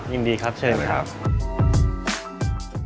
ยินดีครับเชิญเลยครับ